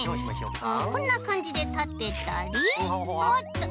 こんなかんじでたてたりおっと！